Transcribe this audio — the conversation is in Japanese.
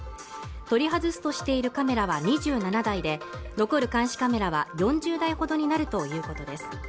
取り外すとしているカメラは２７台で残る監視カメラは４０台ほどになるということです